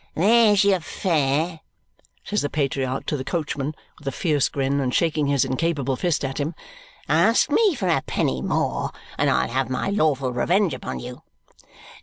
"There's your fare!" says the patriarch to the coachman with a fierce grin and shaking his incapable fist at him. "Ask me for a penny more, and I'll have my lawful revenge upon you.